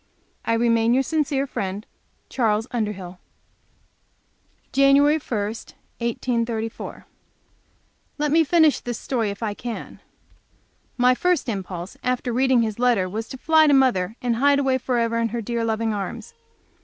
I remain your sincere friend, Charles Underhill Jan. 1, 1834. Let me finish this story If I can. My first impulse after reading his letter was to fly to mother, and hide away forever in her dear, loving arms.